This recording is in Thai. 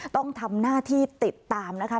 ต้องทำหน้าที่ติดตามนะคะ